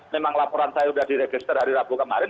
memang laporan saya sudah diregister hari rabu kemarin